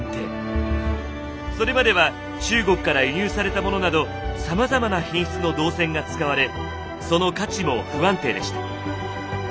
それまでは中国から輸入されたものなどさまざまな品質の銅銭が使われその価値も不安定でした。